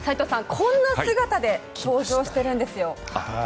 こんな姿で登場しているんですよ。